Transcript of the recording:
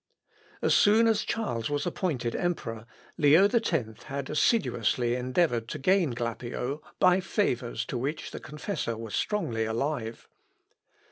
As soon as Charles was appointed emperor, Leo X had assiduously endeavoured to gain Glapio by favours to which the confessor was strongly alive.